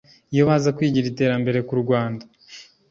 Iyo baza kwigira iterambere ku Rwanda